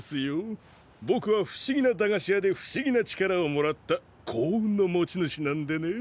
ぼくはふしぎな駄菓子屋でふしぎな力をもらった幸運の持ち主なんでね。